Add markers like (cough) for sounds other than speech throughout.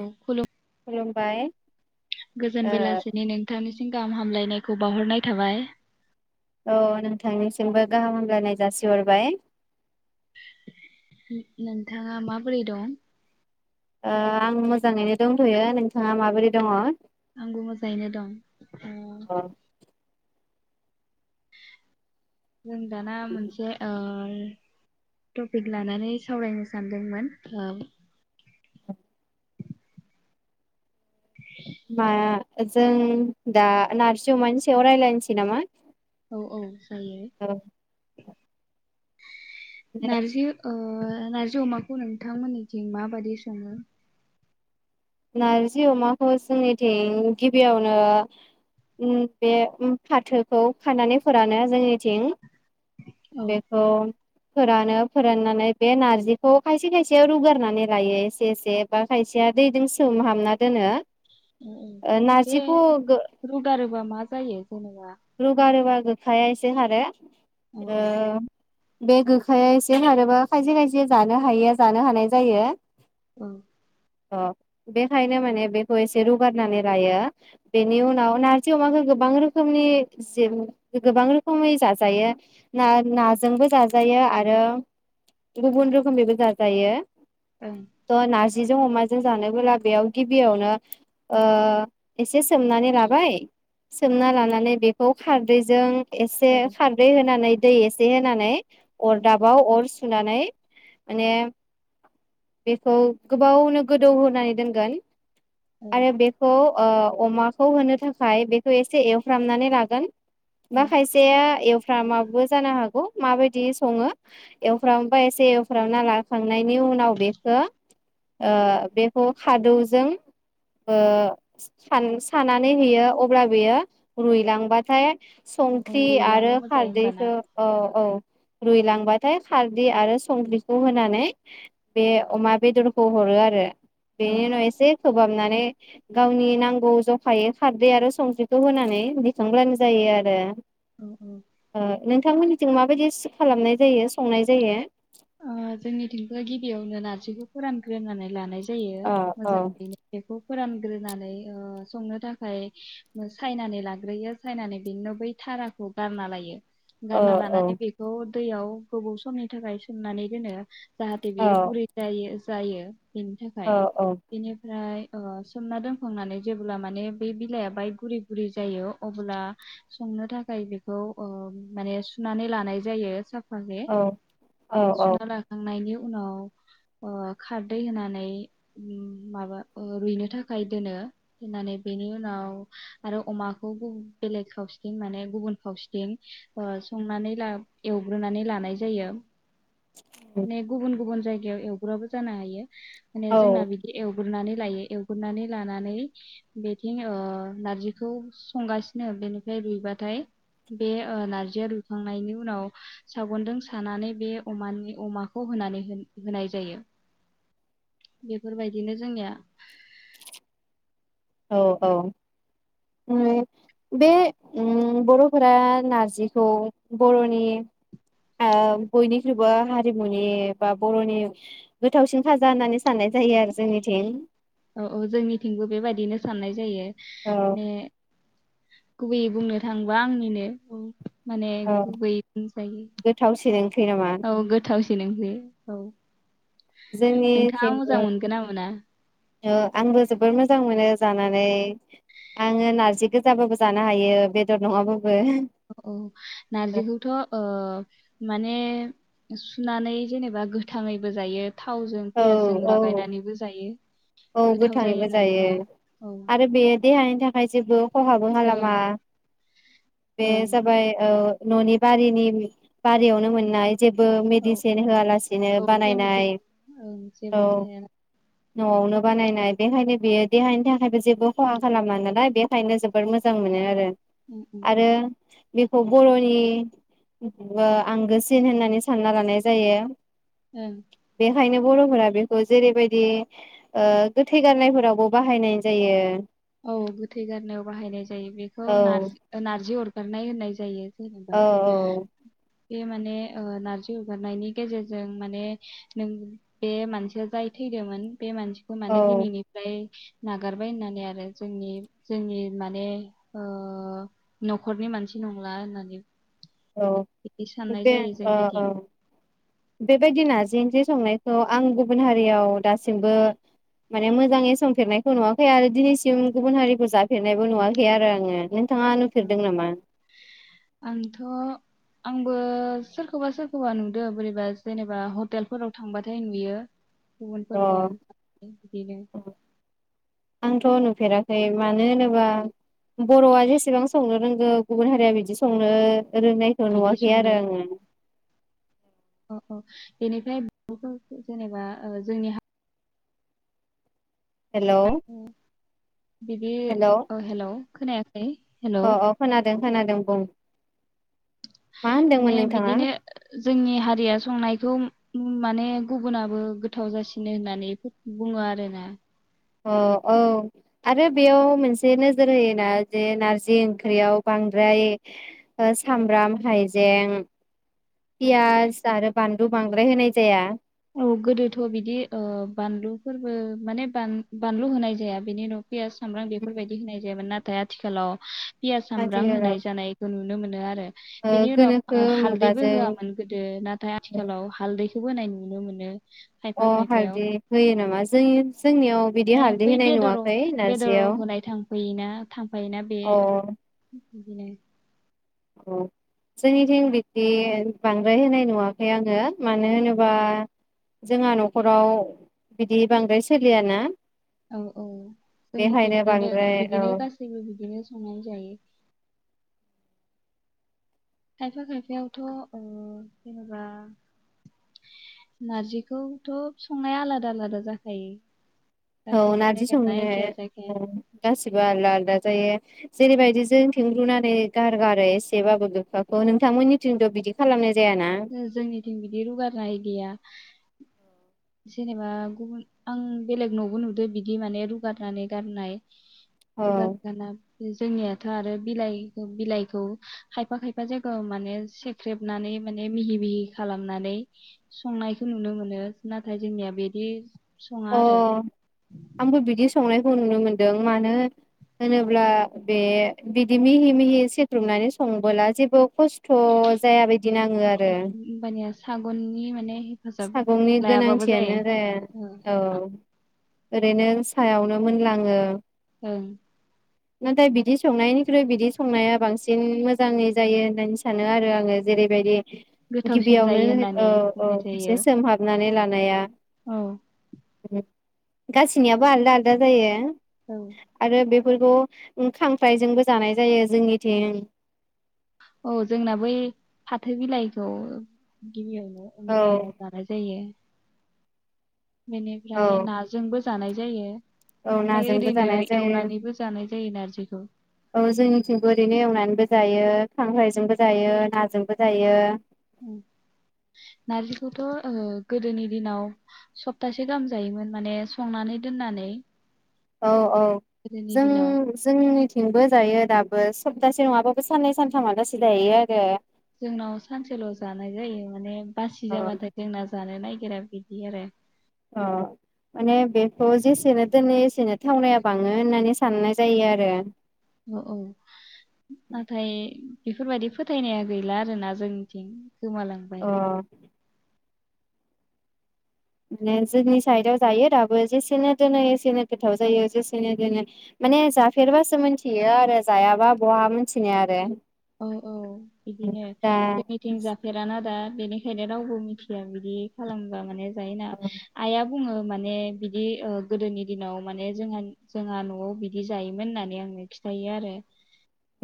औ खुलुम खुलुमबाय गोजोन बेलासिनि नोंथांनिसिम गाहाम हामलायनायखौ बाउहरनाय थाबाय औ नोंथांनिसिमबो गाहाम हामलायनाय जासिहरबाय नोंथाङा माबोरै दं? ओ आं मोजाङैनो दंथयो नोंथाङा माबोरै दङ? आंबो मोजाङैनो दं। अ जों दाना मोनसे ओ उम टपिक लानानै सावरायनो सानदोंमोन ओ माया जों दा नारजि अमानि सायाव रायलायनोसै नामा औ औ जायो औ नारजि ओ नारजि अमाखौ नोंथांमोननिथिं माबादि सङो नारजि अमाखौ जोंनिथिं गिबियावनो उम बे उम फाथोखौ खानानै फोरानो जोंनिथिं औ बेखौ फोरानो फोराननानै बे नारजिखौ खायसे खायसेयाव रुगारनानै लायो एसे एसे बा खायसेया दैजोंसे सोमहाबना औ औ ओ बे नारजिखौ गो रुगारोबा मा जायो जेनेबा? रुगारोबा गोखाया इसे खारो औ उम बे गोखाया एसे खारोबा खायसे खायसे जानो हायिया जानो हानाय जायो। औ अ बेखायनो माने बेखौ एसे रुगारनानै लायो बेनि उनाव नारजि अमाखौ गोबां रोखोमनि जि गोबां रोखोमै जाजायो ना नाजोंबो जाजायो आरो गुबुन रोखोम बेबो जाजायो। ओं नारजिजों अमाजों जानाय बेयाव गिबियावनो ओ एसे एसे सोमनानै लाबाय सोमना लानानै बेखौ खारदैजों एसे औ खारदै होनानै दै एसे होनानै उम अरदाबाव अर सुनानै माने बेखौ गोबावनो गोदौ हो नानै दोनगोन औ आरो बेखौ ओ अमाखौ होनो थाखाय बेखौ एसे एवफ्रामनानै लागोन। बा उम खायसेया एवफ्रामाबो जानो हागौ। माबायदि सङो एवफ्रामोबा एसे एवफ्रामना लाखांनायनि उनाव बेखौ उम ओ बे खादौजों ओ सान- सानानै होयो अब्ला बेयो रुइलांबाथाय औ औ संख्रि रुइलाङो आरो मोजाङै होमबाना खारदैखौ औ औ रुइलांबाथाय खारदै आरो संख्रिखौ होनानै बे अमा बेदरखौ हरो आरो औ बेनि उनाव एसे खोबहाब नानै गावनि नांगौ जखायै खारदै आरो संख्रिखौ होनानै दिखांब्लानो जायो आरो। औ औ नोंथांमोननि जों माबायदि सो खालामनाय जायो संनाय जायो। जोंनि थिंजाय गिबियावनो नार्जिखौ फोरानग्रोनानै लानाय जोयो। औ जायो औ मोजाङैनो बेखौ फोरानग्रोनानै ओ संनो थाखाय सायनानै लाग्रोयो सायनानै बेनोव बै थाराखौ गारना लायो औ गारना औ लानानै बेखौ दैयाव गोबाव समनि थाखाय सोमनानै दोनो जाहाथे बियो गुरै औ जायो जायो बेनि थाखाय औ औ बेनिफ्राय ओ सोमना दोनखांनानै जेब्ला माने बे बिलाइआ बाहाय गुरै गुरै जायो अब्ला संनो थाखाय बेखौ ओ माने सुनानै लानाय जायो साफ- औ (unintelligible) औ सुना लाखांनायनि उ उनाव ओ खारदै उम होनानै माबा रुइनो थाखाय दोनो दोननानै बेनि उनाव आरो अमाखौ गु बेलेग खावसेथिं माने गुबुन खावसेथिं ओ संनानै ला एवग्रोनानै लानाय जायो ने गुबुन गुबुन जाय गायाव एवग्राबो जानो हायो माने जोंना औ बिदि एल एवगोरनानै लायो एवगोरनानै लानानै बेथिं ओ नारजिखौ संगासिनो बेनिफ्राय रुइबाथाय बे ओ नार्जिया रुइखांनायनि उनाव सागनजों सानानै बे अमानि अमाखौ होनानै होन होनाय जायो बेफोरबायदिनो जोंनिया औ औ उम बे उम बरफोरा नार्जिखौ बरनि ओ बयनिख्रुइबो हारिमुनि बा बरनि गोथावसिन खाजा होननानै साननाय जायो आरो जोंनिथिं औ औ जोंनिथिंबो बेबायदिनो साननाय जायो औ ने गुबैयै बुंनो थांङोबा आंनिनो माने औ गुबैयै बुंजायो गोथावसिन ओंख्रि नामा औ गोथावसि बे नोंनि औ नोंथाङा मोजां जोंनिथिंबो मोनगोन ना मोना? ओ आंबो जोबोर मोजां मोनो जानानै आङो नारजि गोजाबाबो जानो हायो बेदर नङाबाबो औ नारजिखौथ ओ माने सुनानै जेनेबा गोथाङैबो जायो थावजों औ पियासजों औ लागायनानैबो जायो औ गोथाव गोथाङैबो जायो होननानै बुङो औ आरो बेयो देहानि थाखाय जेबो खहाबो खालामा ओं बे ओं जाबाय औ ननि बारिनि बारियावनो मोननाय जेबो औ मेडिसिन होआलासिनो बानायनाय केमिकेल औ औ जेबो थाया नआवनो बानायनाय बेखायनो बियो देहानि थाखायबो जेबो खहा खालामा नालाय बेखायनो जोबोद मोजां मोनो आरो उम उम आरो उम बेखौ बरनि आंगोसिन होननानै सानना लानाय जायो (inaudible) बेखायनो बरफोरा बेखौ जेरैबायदि गोथै गारनायफोरावबो बाहायनाय जायो औ गोथै गारनायाव बाहायनाय जायो बेखौ औ नारजि अर (inaudible) जेनबा औ बे माने नारजि अगारनायनि गेजेरजों माने नों बे मानसिया जाय थैदोंमोन बे मानसिखौ औ माने दिनैनिफ्राय नागारबाय होननानै आरो जोंनि जोंनि माने नखरनि मानसि नंला होननानै औ बिदि साननाय बे जायो औ जोंनिथिं बेबायदि नारजि ओंख्रि संनायखौ आं गुबुन हारियाव दासिमबो माने मोजाङै संफेरनायखौ नुवाखै आरो दिनैसिम गुबुन हारिखौ जाफेरनायबो नुवाखै आरो आङो नोंथाङा औ नुफेरदों नामा आंथ आंबो सोरखौबा सोरखौबा नुदों बोरैबा जेनेबा हटेलफोराव थांबाथाय नुयो अ गुबुनफोरखौ बिदिनो आंथ नुफेराखै मानो होनोबा बरआ जेसेबां संनो रोंगौ गुबुन हारिया बिदि संनो रोंनायखौ बिदि नुवाखै आरो संनो आङो औ औ बेनिफ्राय बे जेनेबा जोंनि हा हेलौ बिदि हेलौ औ हेलौ खोनाया हेलौ अ अ खोनादों खोनादों बुं मा होनदोंमोन माने नोंथाङा बिदिनो जोंनि हारिया संनायखौ माने गुबुनाबो गोथाव जासिनो होननानै बेखौ बुङो आरो ना अ औ आरो बेयाव मोनसे नोजोर होयोना जे नारजि ओंख्रियाव बांद्राय ओ सामब्राम हाइजें पियास आरो बानलु बांद्राय होनाय जाया औ गोदोथ बिदि ओ बानलुफोरबो माने बानलु होनाय जाया बेनि उनाव पियास सामब्राम बेफोरबायदि होनाय जायामोन ना थाय आथिखालाव पियास सामब्राम आथिखालाव होनाय जानाय खो नुनो मोनो आरो ओ बेनि गोनोखो उनाव हालदैबो मुगाजों होआमोन गोदो नाथाय आथिखालाव हालदै खौ‌ होनाय नुनो मोनो खायफा अ खायफायाव हालदै होयो नामा? जोंनि जोंनियाव बिदि माने हालदै बै होनाय बेदराव नुवाखै बेदराव नारजियाव होनाय थांफैयोना थांफायोना बे अ। बिदिनो औ जोंनिथिं बिदि बांद्राय होनाय नुवाखै आङो मानो होनोबा जोंहा न'खराव बिदि बांद्राय सोलियाना। औ औ जोंनिथिं बेखायनो बिदिनो बांद्राय औ बिदिनो गासैबो बिदिनो संनानै जायो। खायफा खायफायावथ' ओ जेनबा नारजिखौथ' संनाया आलादा आलादा जाखायो। औ गासैबो नारजि जायगाना संनाया एखेया जाखाया औ गासिबो आलदा आलदा जायो जेरैबायदि जोंनिथिं रुनानै नै गारगारो एसे बाबो गोखाखौ नों जोंनिथिं बिदि रुगारनाय गैया। जेनेबा गुबुन आं बेलेग न'आवबो नुदो बिदि माने रुगारनानै गारनाय। औ रुगारना (unintelligible) जोंनिया था आरो बिलाइ बिलाइखौ खायफा खायफा जायगायाव माने सेख्रेबनानै माने मिहि मिहि खालामनानै संनायखौ नुनो मोनो। नाथाय जोंनिया बेदि अ आंबो बिदि संनाय खौ नुनो मोनदों मानो होनोब्ला बे बिदि मिहि मिहि सेख्रुबनानै संबोला जेबो खस्थ' जायाबाय दि नाङो आरो। होमबानिया सागननि माने हेफाजाब सागंनि लायाबाबो जायो गोनांथियानोरे औ। ओरैनो सायावनो मोनलाङो। ओं। नाथाय बिदि संनायनि खुरै बिदि संनाया बांसिन मोजां जाङै जायो होननानै सानो। नो आरो आङो जेरैबायदि गोथावसिन गिबियावनो जायो होननानै ओ ओ बुंनाय जायो एसे सोमहाबनानै लानो नाया औ। गासैनियाबो आलदा आलदा जायो। औ आरो बे फोरखौ उम खांख्रायजोंबो जानाय जायो जोंनिथिं। औ जोंना बै फाथो बिलाइखौ गिबियावनो उम औ बानाय जानाय जायो। औ बेनिफ्राय नाजोंबो जानाय जायो। औ ओमफ्राय नाजोंबो ओरैनो जानाय जायो एवनानैबो जानाय जायो नारजिखौ औ जोंनिथिंबो ओरैनो एवनानैबो जायो खांख्रायजोंबो जायो नाजोंबो जायो। उम नार्जिखौथ' ओ गोदोनि दिनाव सप्तासे गाहाम जायोमोन माने संनानै दोननानै। औ औ गोदोनि जों दिनाव जोंनिथिंबो जायो दा बो सप्तासे नङाबाबो साननै सानथामलासे दायो आरो। जोंनाव सानसेल' जानाय जायो माने बासि औ जाबाथाय जोंना जानो नागि गिरा बिदि आरो। अ माने बेखौ जेसेनो दोनो एसेनो थावनाया बाङो होननानै साननाय जायो आरो। औ औ नाथाय बेफोरबादि फोथायनाया गैला आरो ना जोंनिथिं। गोमालांबाय। अ माने जोंनि साइदआव जायो दाबो जेसेनो दोनो एसेनो गोथाव जायो जेसेनो दोनो माने जाफेरबासो मोनथियो आरो जायाबा बहा मोनथिनाया आरो। औ औ बिदिनो दा जोंनिथिं जाफेराना दा। बेनिखायनो रावबो मिथिया बिदि खालामबा माने जायोना आइया बुङो माने बिदि ओ गोदोनि दिनाव माने जोंहानि जोंहा न'आव बिदि जायोमोन होननानै आंनो खिथायो आरो।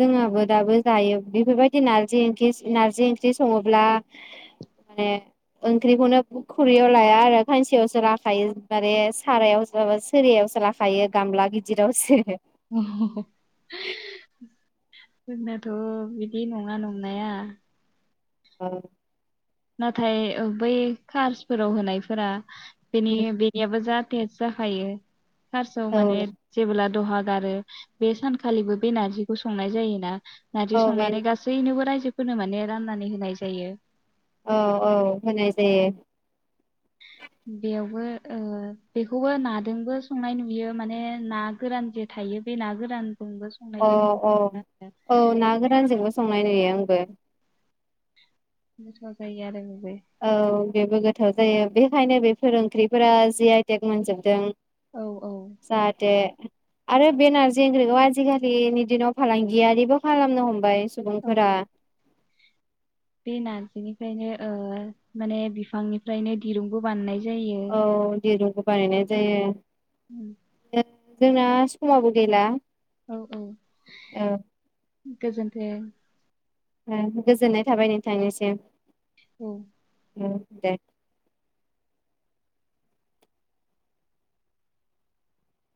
जोंहाबो दाबो जायो बिफोरबायदि नार्जि ओंखिस नार्जि ओंख्रि संङोब्ला माने ओंख्रिखौनो खुरैयाव लाया आरो खांसेयावसो लाखायो बारे सारायावसो माबा सोरियावसो लाखायो गामला गिदिरावसो। (unintelligible) जोंनाथ' बिदि नङा नंनाया (inaudible) नाथाय बै कार्सफोराव होनायफोरा बेनि बिनिया जाद थेज जाखायो। कार्सआव माने औ जेबोला द'हा गारो बे सानखालिबो बे नार्जिखौ संनाय जायोना। औ नार्जि बे संनानै गासैनोबो रायजो फोरनो माने राननानै होनाय जायो। औ औ होनाय जायो। बेयावबो ओ बेखौबो नादोंबो संनाय नुयो माने ना गोरान जे थायो बे ना गोरान अ अ औ ना गोरानजोंबो संनाय नुयो आंबो। (unintelligible) औ बेबो गो थाव जायो बेखायनो बेफोर ओंख्रिफोरा जि आइ टेग मोनजोबदों। औ औ जाहाते आरो बे नारजि ओंख्रिखौ आजिखालिनि दिनाव फालांगियारिबो खालामनो हमबाय। औ सुबुंफोरा बे नारजिनिफ्रायनो ओ माने बिफांनिफ्रायनो दिरुंबोु बानायनाय जायो औ दे बानायनाय जायो। उम (inaudible) जोंना समाबो गैला। औ औ। औ गोजोन्थों। ओं गोजोननाय थाबाय नोंथांनिसिम। औ। दे।